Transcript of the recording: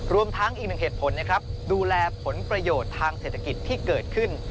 รวมทั้งอีกหนึ่งเหตุผลนะครับดูแลผลประโยชน์ทางเศรษฐกิจที่เกิดขึ้น